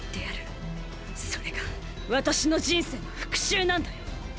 それが私の人生の復讐なんだよ！！